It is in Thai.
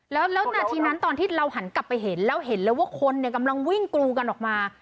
แล้วนาทีนั้นตอนที่เราหันกลับไปเห็นแล้วเห็นเลยว่าคนเนี่ยกำลังวิ่งกรูกันออกมา